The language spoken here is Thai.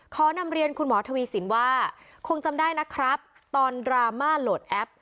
ขอนำเรียนคุณหมอทวีสินว่าคงจำได้นะครับตอนดราม่าโหลดแอป